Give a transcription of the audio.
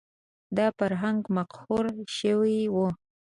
دا فرهنګ مقهور شوی و